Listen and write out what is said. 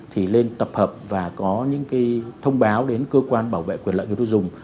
thì lên tập hợp và có những cái thông báo đến cơ quan bảo vệ quyền lợi người tiêu dùng